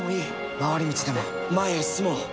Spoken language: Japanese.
回り道でも前へ進もう。